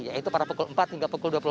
yaitu pada pukul empat hingga pukul dua puluh